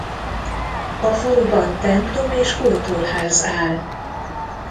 A faluban templom és kultúrház áll.